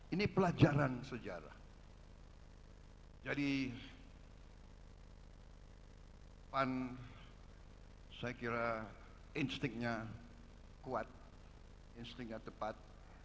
ini pelajaran sejarah jadi pan saya kira instiknya kuat instiknya tepat